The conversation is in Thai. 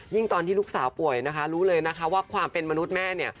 ตอนที่ลูกสาวป่วยนะคะรู้เลยนะคะว่าความเป็นมนุษย์แม่เนี่ย